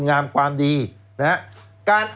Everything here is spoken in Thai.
แล้วเขาก็ใช้วิธีการเหมือนกับในการ์ตูน